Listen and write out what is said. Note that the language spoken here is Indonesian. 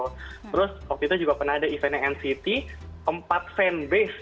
terus waktu itu juga pernah ada eventnya nct empat fan base